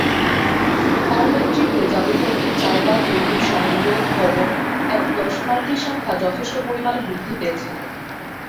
তাঁর নেতৃত্বে জাদুঘরটির জায়গা, কর্মী, সংগ্রহ, ভবন এবং দর্শনার্থীর সংখ্যা যথেষ্ট পরিমাণে বৃদ্ধি পেয়েছিল।